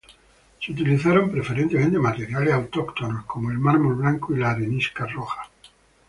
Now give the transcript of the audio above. Se utilizaron preferentemente materiales autóctonos, como el mármol blanco y la arenisca roja.